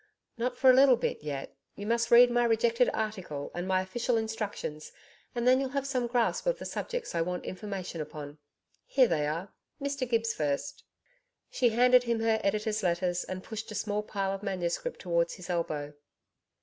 'Not for a little bit yet. You must read my rejected article and my official instructions, and then you'll have some grasp of the subjects I want information upon. Here they are Mr Gibbs first.' She handed him her editor's letters and pushed a small pile of manuscript towards his elbow.